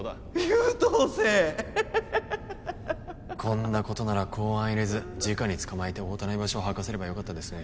優等生こんなことなら公安入れずじかに捕まえて太田の居場所を吐かせればよかったですね